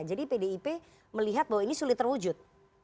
jadi pdip melihat bahwa ini sulit terwujud